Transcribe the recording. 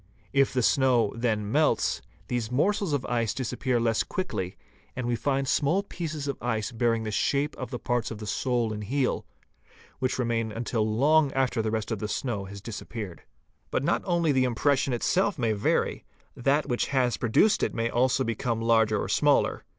If the snow then melts, these morsels of ice disappear less quickly and we find small pieces of ice bearing the shape of parts of the sole and heel, which remain until long after the rest of the snow has disappeared. . But not only the impression itself may vary: that which has produced ) it may also become larger or smaller.